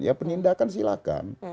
ya penindakan silakan